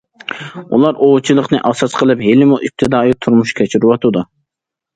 ئۇلار ئوۋچىلىقنى ئاساس قىلىپ، ھېلىمۇ ئىپتىدائىي تۇرمۇش كەچۈرۈۋاتىدۇ.